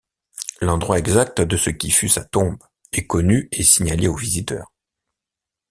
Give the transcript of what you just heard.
L’endroit exact de ce qui fut sa tombe est connu et signalé aux visiteurs.